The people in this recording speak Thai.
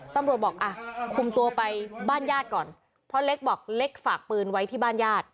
ตำรวจบอกอ่ะคุมตัวไปบ้านญาติก่อนเพราะเล็กบอกเล็กฝากปืนไว้ที่บ้านญาติ